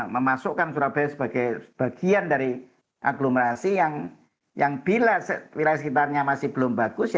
memasukkan surabaya sebagai bagian dari aglomerasi yang bila wilayah sekitarnya masih belum bagus